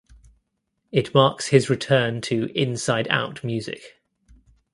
It marks his return to Inside Out Music.